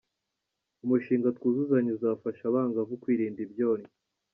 Umushinga Twuzuzanye uzafasha Abangavu kwirinda ibyonnyi